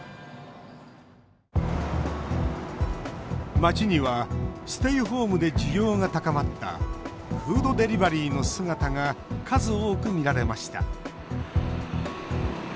街にはステイホームで需要が高まったフードデリバリーの姿が数多く見られました。